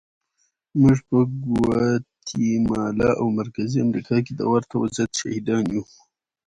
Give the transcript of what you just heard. موږ په ګواتیمالا او مرکزي امریکا کې د ورته وضعیت شاهدان یو.